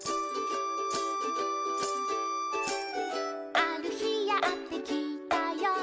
「あるひやってきたよ」